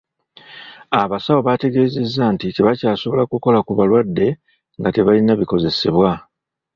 Abasawo bategeezezza nti tebakyasobola kukola ku balwadde nga tebalina bikozesebwa.